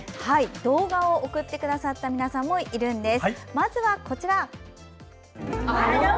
動画を送ってくださった皆さんもいるんです！